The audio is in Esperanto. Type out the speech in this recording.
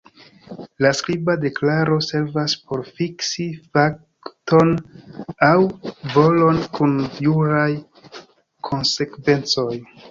La skriba deklaro servas por fiksi fakton aŭ volon kun juraj konsekvencoj.